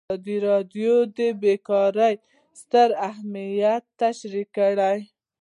ازادي راډیو د بیکاري ستر اهميت تشریح کړی.